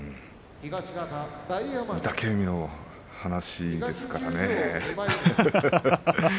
御嶽海の話ですからね。